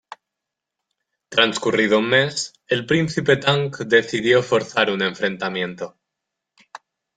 Transcurrido un mes, el príncipe Tang decidió forzar un enfrentamiento.